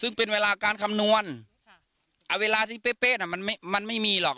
ซึ่งเป็นเวลาการคำนวณเวลาที่เป๊ะน่ะมันไม่มีหรอก